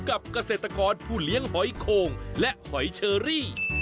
เกษตรกรผู้เลี้ยงหอยโคงและหอยเชอรี่